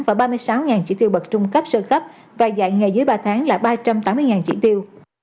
và ba mươi sáu chỉ tiêu bậc trung cấp sơ cấp và dạy nghề dưới ba tháng là ba trăm tám mươi chỉ tiêu